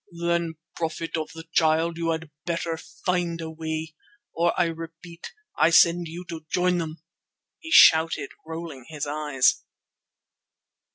"Then, Prophet of the Child, you had better find a way, or, I repeat, I send you to join them," he shouted, rolling his eyes.